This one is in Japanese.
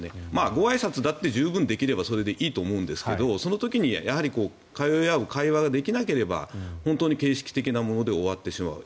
ごあいさつだって十分できればそれでいいと思うんですがその時にやはり通い合う会話ができなければ本当に形式的なもので終わってしまう。